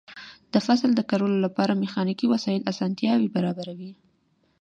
د فصل د کرلو لپاره میخانیکي وسایل اسانتیاوې برابروي.